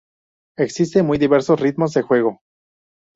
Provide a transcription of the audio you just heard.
Existen muy diversos ritmos de juego.